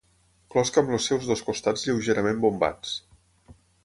Closca amb els seus dos costats lleugerament bombats.